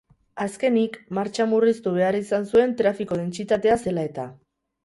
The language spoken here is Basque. Azkenik, martxa murriztu behar izan zuen trafiko dentsitatea zela eta.